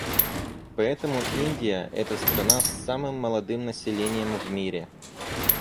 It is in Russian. Поэтому Индия — это страна с самым молодым населением в мире.